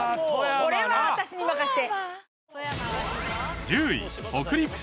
これは私に任して。